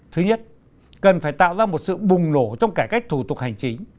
thứ nhất cần phải tạo ra một sự bùng nổ trong cải cách thủ tục hành chính